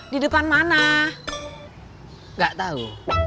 di depan mana nggak tahu